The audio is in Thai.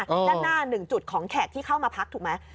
ด้านหน้า๑จุดของแขกที่เข้ามาพักถูกไหม